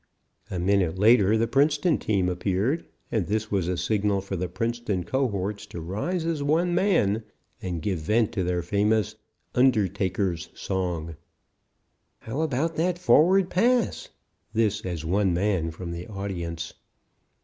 A minute later the Princeton team appeared, and this was a signal for the Princeton cohorts to rise as one man and give vent to their famous 'Undertaker's Song.'" "How about that forward pass?" This, as one man, from the audience.